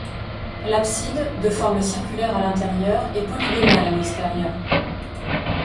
L’abside, de forme circulaire à l’intérieur, est polygonale à l’extérieur.